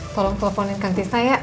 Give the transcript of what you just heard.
tolong teleponin kang tisah ya